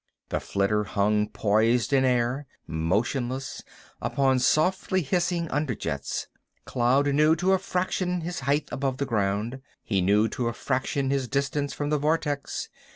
The flitter hung poised in air, motionless, upon softly hissing under jets. Cloud knew to a fraction his height above the ground. He knew to a fraction his distance from the vortex.